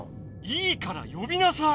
いいからよびなさい！